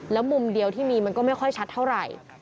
แล้วมุมเดียวที่มีมันก็ไม่ค่อยชัดเท่าไหร่